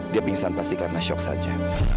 dia pingsan pasti karena shock saja